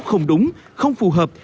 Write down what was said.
không đúng không phù hợp